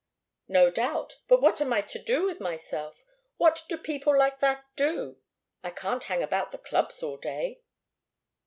"No doubt! But what am I to do with myself? What do people like that do? I can't hang about the clubs all day."